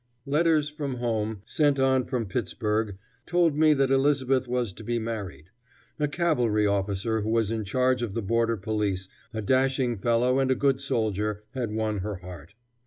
Letters from home, sent on from Pittsburg, told me that Elizabeth was to be married. A cavalry officer who was in charge of the border police, a dashing fellow and a good soldier, had won her heart.